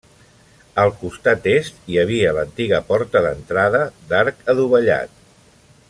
Al costat est hi havia l'antiga porta d'entrada d'arc adovellat.